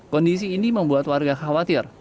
kondisi ini membuat warga khawatir